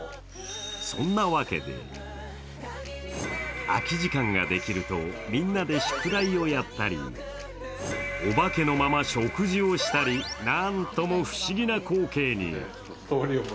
そんなわけで空き時間ができるとみんなで宿題をやったりお化けのまま食事をしたり、なんとも不思議な光景に。